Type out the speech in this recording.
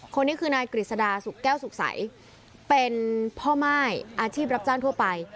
คนนี้คือนายกฤษดาสุขแก้วสุขใสเป็นพ่อม่ายอาชีพรับจ้างทั่วไป